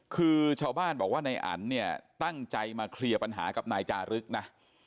คือชาวบ้านบอกว่านายอันเนี่ยตั้งใจมาเคลียร์ปัญหากับนายจารึกนะ